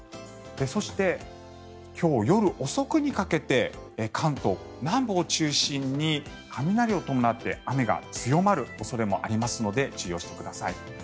そして、今日夜遅くにかけて関東南部を中心に雷を伴って雨が強まる恐れもありますので注意してください。